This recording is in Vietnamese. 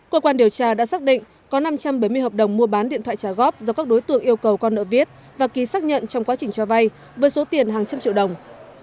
cơ quan điều tra đã xác định có năm trăm bảy mươi hợp đồng mua bán điện thoại trả góp do các đối tượng yêu cầu con nợ viết và ký xác nhận trong quá trình cho vay với số tiền hàng trăm triệu đồng